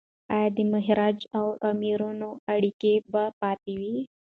ایا د مهاراجا او امیرانو اړیکي به پاتې وي؟